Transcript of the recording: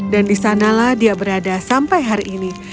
dan di sanalah dia berada sampai hari ini